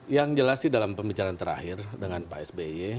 yang jelas sih dalam pembicaraan terakhir dengan pak sby